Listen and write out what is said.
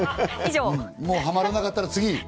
もうはまらなかったら次。